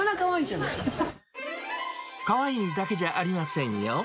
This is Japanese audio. かわいいだけじゃありませんよ。